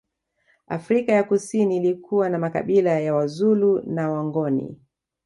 Afrika ya Kusini ilikuwa na makabila ya Wazulu na Wangoni